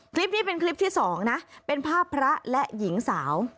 คลิปนี้เป็นคลิปที่สองนะเป็นภาพพระและหญิงสาว